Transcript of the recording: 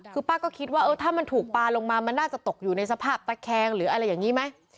คือป้าก็คิดว่าเออถ้ามันถูกปลาลงมามันน่าจะตกอยู่ในสภาพตะแคงหรืออะไรอย่างนี้ไหม